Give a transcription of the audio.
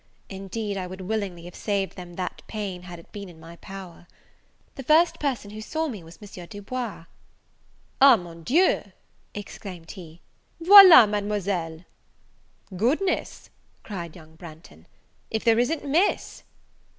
Indeed, I would willingly have saved them that pain, had it been in my power. The first person who saw me was M. Du Bois, "Ah, mon Dieu!" exclaimed he, "voila Mademoiselle!" "Goodness," cried young Branghton, "if there isn't Miss!"